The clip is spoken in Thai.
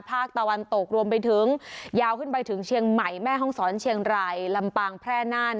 ภาคตะวันตกรวมไปถึงยาวขึ้นไปถึงเชียงใหม่แม่ห้องศรเชียงรายลำปางแพร่น่าน